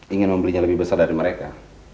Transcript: ingin membelinya lebih besar dari mereka